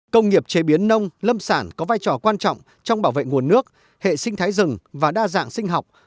công nghiệp chế biến nông lâm sản có vai trò quan trọng trong bảo vệ nguồn nước hệ sinh thái rừng và đa dạng sinh học